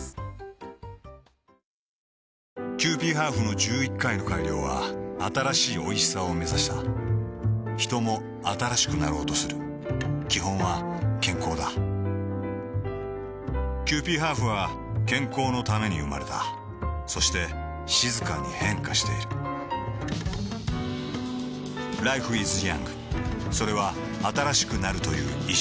キユーピーハーフの１１回の改良は新しいおいしさをめざしたヒトも新しくなろうとする基本は健康だキユーピーハーフは健康のために生まれたそして静かに変化しているＬｉｆｅｉｓｙｏｕｎｇ．それは新しくなるという意識